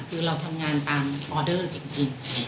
คือเราทำงานตามออเดอร์จริง